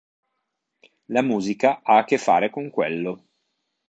La musica ha a che fare con quello.